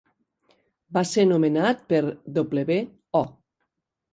Va ser nomenat per W. O.